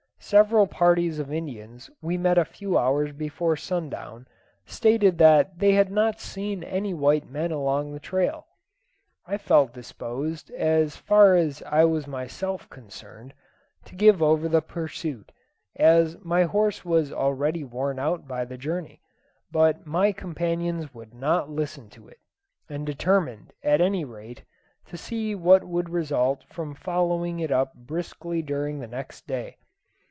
Several parties of Indians we met a few hours before sundown stated that they had not seen any white men along the trail. I felt disposed, as far as I was myself concerned, to give over the pursuit, as my horse was already worn out by the journey; but my companions would not listen to it, and determined, at any rate, to see what would result from following it up briskly during the next day.